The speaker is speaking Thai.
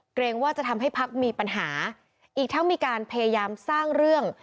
เกรงว่าจะทำให้พักมีปัญหาอีกทั้งมีการพยายามสร้างเรื่อง